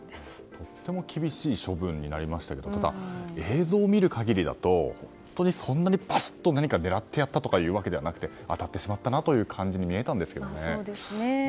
とても厳しい処分になりましたがただ、映像を見る限りだと本当に、そんなに何か、バシッと狙ってやったわけではなくて当たってしまったなという感じに見えたんですけどね。